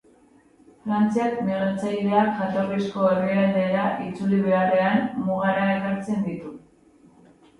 Frantziak migratzaileak jatorrizko herrialdera itzuli beharrean, mugara ekartzen ditu.